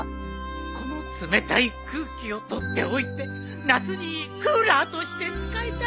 この冷たい空気を取っておいて夏にクーラーとして使えたらいいのにのう。